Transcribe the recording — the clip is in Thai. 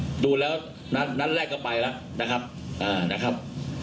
ก็ให้สื่อไปพิจารณาเองนะครับแต่ว่าผมก็ต้องให้การว่าเขาให้การขัดแย้งข้อเรียกจริงนะครับ